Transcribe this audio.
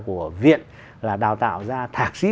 của viện là đào tạo ra thạc sĩ